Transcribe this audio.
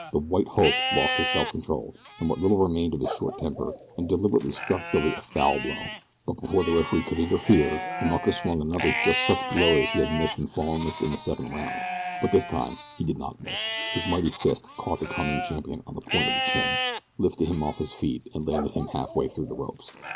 The "white hope" lost his self control and what little remained of his short temper, and deliberately struck Billy a foul blow, but before the referee could interfere the mucker swung another just such blow as he had missed and fallen with in the second round; but this time he did not miss his mighty fist caught the "coming champion" on the point of the chin, lifted him off his feet and landed him halfway through the ropes.